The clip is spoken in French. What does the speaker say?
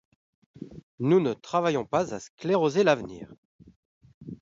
Nous ne travaillons pas à scléroser l'avenir.